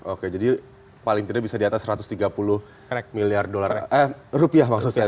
oke jadi paling tidak bisa di atas satu ratus tiga puluh miliar dolar eh rupiah maksud saya